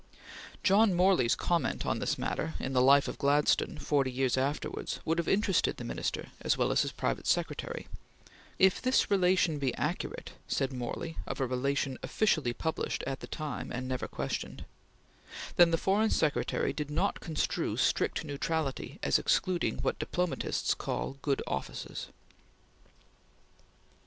John Morley's comment on this matter, in the "Life of Gladstone," forty years afterwards, would have interested the Minister, as well as his private secretary: "If this relation be accurate," said Morley of a relation officially published at the time, and never questioned, "then the Foreign Secretary did not construe strict neutrality as excluding what diplomatists call good offices."